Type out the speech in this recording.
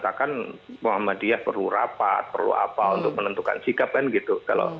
kelembagaan kan mungkin pak amin akan mengatakan muhammadiyah perlu rapat perlu apa untuk menentukan sikap kan gitu